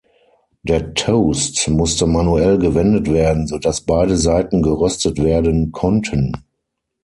Der Toast musste manuell gewendet werden, so dass beide Seiten geröstet werden konnten.